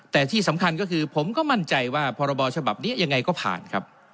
แต่ที่สำคัญก็คือผมก็มั่นใจว่าพรบฉบับนี้ยังไงก็ผ่านครับ